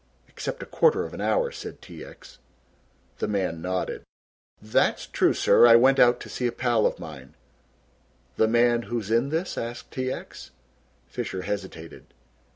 "Except a quarter of an hour," said T. X. The man nodded. "That's true, sir, I went out to see a pal of mine." "The man who is in this!" asked T. X. Fisher hesitated.